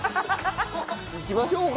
行きましょうか。